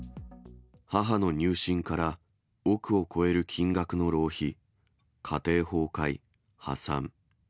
母の入信から億を超える金額の浪費、家庭崩壊、破産。